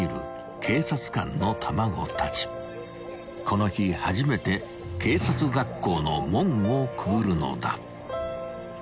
［この日初めて警察学校の門をくぐるのだ］